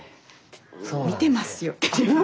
見てますよ。